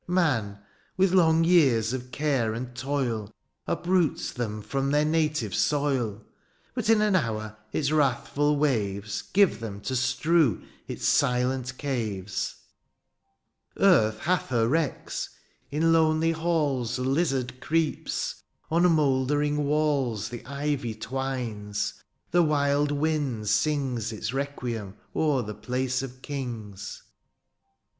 '' Man, with long years of care and toil, '' Uproots them from their native soil; '^ But, in an hour, its wrathful waves ^^ Give them to strew its silent caves. 44 DIONYSIUS, ^' Earth hath her wrecks — ^in lonely halls ^' The lizard creeps ; on monldermg walls '' The ivy twines ; the wild wind sings '' Its requiem o*er the place of kings.